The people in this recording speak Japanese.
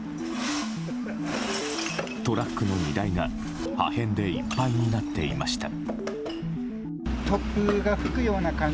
トラックの荷台が破片でいっぱいになっていました。